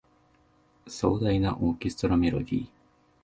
壮大なオーケストラメロディ